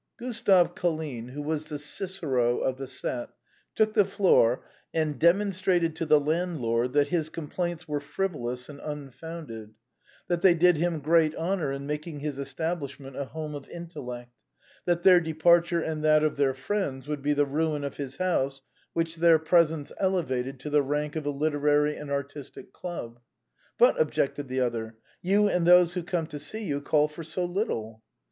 Gustave Colline, who was the Cicero of the set, took the floor and demonstrated to the landlord that his complain' s were frivolous and unfounded; that they did him great honor in making his establishment a home of intellect; that their departure and that of their friends would be the ruin of his house, which their presence elevated to the rank of a literary and artistic club. " But," objected the other, " you, and those who come to see you, call for so little."